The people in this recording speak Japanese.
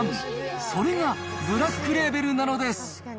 それがブラックレーベルなのです。